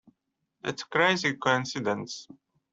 That's a crazy coincidence!